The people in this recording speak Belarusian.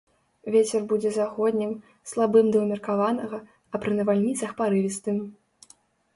Вецер будзе заходнім, слабым да ўмеркаванага, а пры навальніцах парывістым.